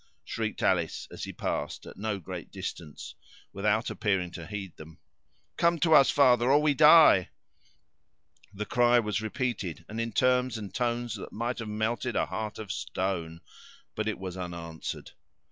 shrieked Alice, as he passed, at no great distance, without appearing to heed them. "Come to us, father, or we die!" The cry was repeated, and in terms and tones that might have melted a heart of stone, but it was unanswered.